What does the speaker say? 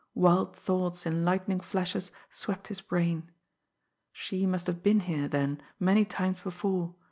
Wild thoughts, in lightning flashes, swept his brain. She must have been here, then, many times before